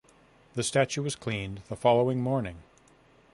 The statue was cleaned the following morning.